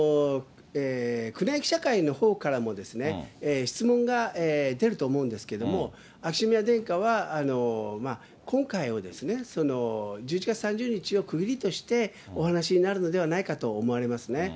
宮内記者会のほうからも、質問が出ると思うんですけども、秋篠宮殿下は、今回を、１１月３０日を区切りとして、お話になるのではないかと思われますね。